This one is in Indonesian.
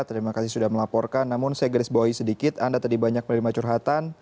terima kasih sudah melaporkan namun saya garis bawahi sedikit anda tadi banyak menerima curhatan